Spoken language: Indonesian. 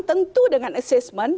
tentu dengan assessment